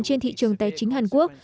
trên thị trường tài chính hàn quốc